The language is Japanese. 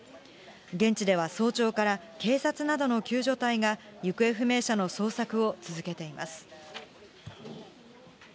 現地では早朝から、警察などの救助隊が行方不明者の捜索を続けています。